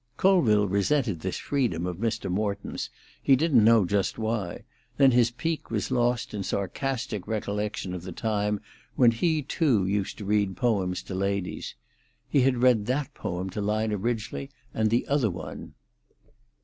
Colville resented this freedom of Mr. Morton's, he did not know just why; then his pique was lost in sarcastic recollection of the time when he too used to read poems to ladies. He had read that poem to Lina Ridgely and the other one.